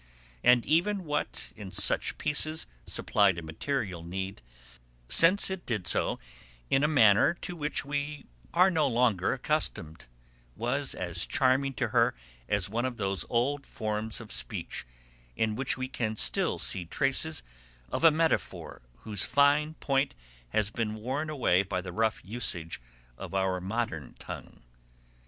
And even what in such pieces supplied a material need, since it did so in a manner to which we are no longer accustomed, was as charming to her as one of those old forms of speech in which we can still see traces of a metaphor whose fine point has been worn away by the rough usage of our modern tongue.